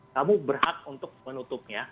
kamu berhak untuk menutupnya